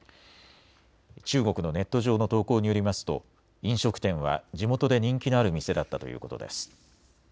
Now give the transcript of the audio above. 中国のネット上の投稿によりますと飲食店は地元で人気のある店だったということです。